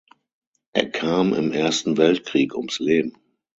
Er kam im Ersten Weltkrieg ums Leben.